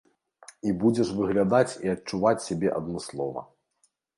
І будзеш выглядаць і адчуваць сябе адмыслова.